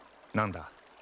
何だ？